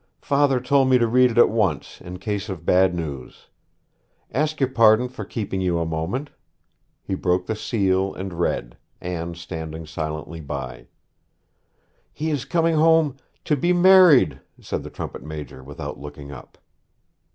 'Father told me to read it at once, in case of bad news. Ask your pardon for keeping you a moment.' He broke the seal and read, Anne standing silently by. 'He is coming home to be married,' said the trumpet major, without looking up.